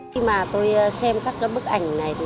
khi mà tôi xem các bức ảnh